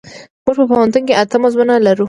مونږ په پوهنتون کې اته مضمونونه لرو.